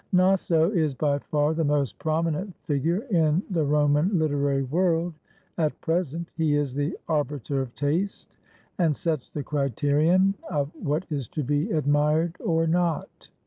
Naso is by far the most prominent figure in the Roman hterary world at present. He is the arbiter of taste, and sets the criterion of what is to be admired or not.